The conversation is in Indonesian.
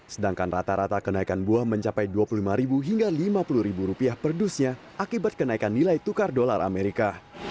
sedangkan rata rata kenaikan buah mencapai rp dua puluh lima hingga rp lima puluh rupiah per dusnya akibat kenaikan nilai tukar dolar amerika